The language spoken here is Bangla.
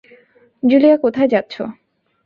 জুলিয়া, কোথায় যাচ্ছো?